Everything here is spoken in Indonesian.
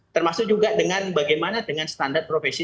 termasuk juga dengan bagaimana dengan standar profesi